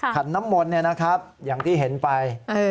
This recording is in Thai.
ขันน้ำมนต์เนี่ยนะครับอย่างที่เห็นไป